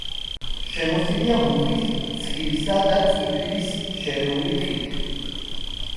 შემოსილია მუხის, რცხილისა და წიფლის შერეული ტყით.